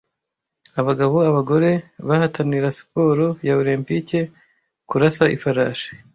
Abagabo Abagore bahatanira siporo ya Olempike Kurasa Ifarashi